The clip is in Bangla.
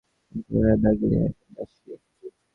আমি পুনরায় ব্যাগলিদের সঙ্গে আছি।